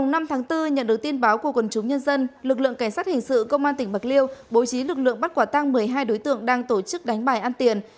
ngày năm tháng bốn nhận được tin báo của quần chúng nhân dân lực lượng cảnh sát hình sự công an tỉnh bạc liêu bố trí lực lượng bắt quả tăng một mươi hai đối tượng đang tổ chức đánh bài ăn tiền